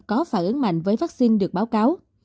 có phản ứng mạnh với vaccine được báo cáo